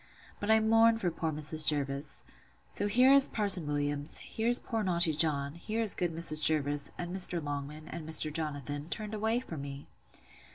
But I mourn for poor Mrs. Jervis.—So here is Parson Williams; here's poor naughty John; here is good Mrs. Jervis, and Mr. Longman, and Mr. Jonathan, turned away for me!